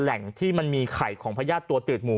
แหล่งที่มันมีไข่ของพญาติตัวตืดหมู